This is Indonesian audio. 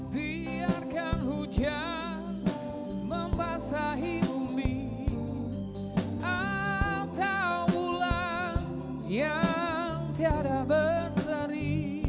biarkan hujan membasahi bumi atau bulan yang tiada berseri